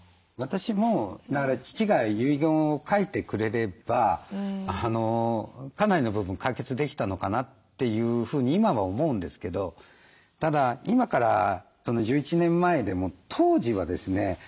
私もだから父が遺言を書いてくれればかなりの部分解決できたのかなというふうに今は思うんですけどただ今から１１年前でも当時はですね